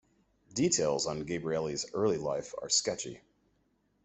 Details on Gabrieli's early life are sketchy.